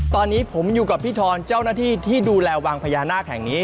ตอนนี้ผมอยู่กับพี่ทรเจ้าหน้าที่ที่ดูแลวังพญานาคแห่งนี้